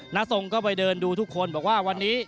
ทรงก็ไปเดินดูทุกคนบอกว่าวันนี้